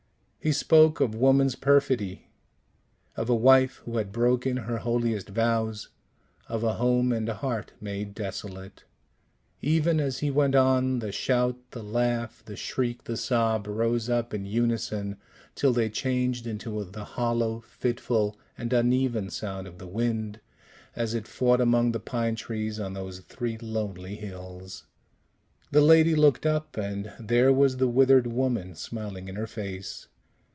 He spoke of woman's perfidy, of a wife who had broken her holiest vows, of a home and heart made desolate. Even as he went on, the shout, the laugh, the shriek the sob, rose up in unison, till they changed into the hollow, fitful, and uneven sound of the wind, as it fought among the pine trees on those three lonely hills. The lady looked up, and there was the withered woman smiling in her face.